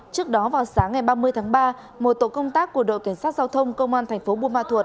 trước đó vào sáng ngày ba mươi tháng ba một tổ công tác của đội cảnh sát giao thông công an thành phố buôn ma thuột